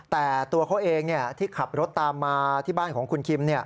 แต่ตัวเขาเองที่ขับรถตามมาที่บ้านของคุณคิม